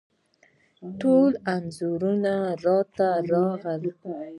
ټول رنځونه راته راغلل